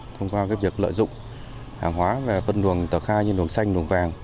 thông qua việc lợi dụng hàng hóa về vân đường tờ khai như đường xanh đường vàng